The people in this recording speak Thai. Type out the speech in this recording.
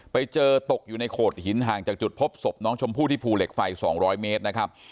ไปเจอตกอยู่ในโขดหินห่างจากจุดพบศพน้องชมพู่ที่ภูเหล็กไฟ๒๐๐เมตรนะครับ